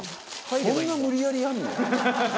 「そんな無理やりやるの？